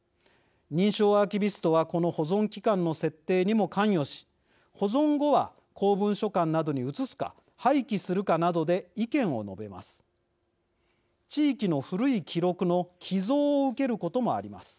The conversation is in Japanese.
認証アーキビストはこの保存期間の設定にも関与し保存後は公文書館などに移すか廃棄するかなどで意見を述べます。